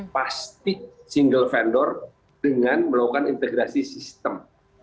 pasti single vendor dengan melakukan integrasi sistem